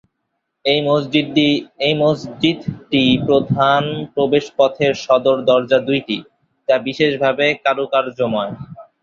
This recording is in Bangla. এই মসজিদটি প্রধান প্রবেশপথের সদর দরজা দুইটি, যা বিশেষভাবে কারুকার্জময়।